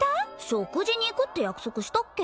食事に行くって約束したっけ？